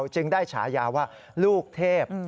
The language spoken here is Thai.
จึงได้ฉายาว่าลูกเทพ